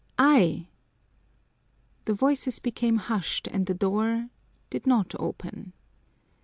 "I!" The voices became hushed and the door did not open.